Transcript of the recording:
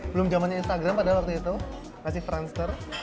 belum zamannya instagram padahal waktu itu masih france ter